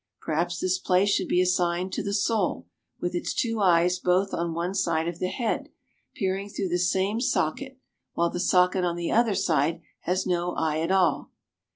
Perhaps this place should be assigned to the sole, with its two eyes both on one side of the head, peering through the same socket, while the socket on the other side has no eye at all.